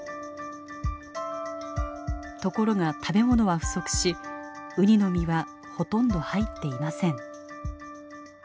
ところが食べ物は不足しウニの身はほとんど入っていません。